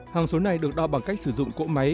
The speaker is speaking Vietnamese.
hàng số này được đo bằng cách sử dụng cỗ máy